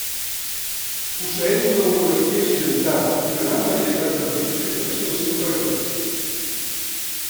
Posseeix una orografia accidentada i una gran varietat de rius que travessen el seu territori.